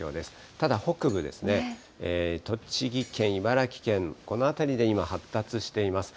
ただ北部ですね、栃木県、茨城県、この辺りで今、発達しています。